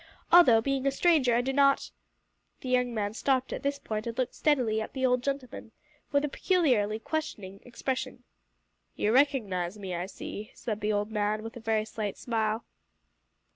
Although, being a stranger, I do not " The young man stopped at this point and looked steadily at the old gentleman with a peculiarly questioning expression. "You recognise me, I see," said the old man, with a very slight smile.